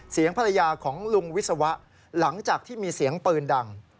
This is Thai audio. เสียงภรรยาของลุงวิศวะหลังจากที่มีเสียงปืนดัง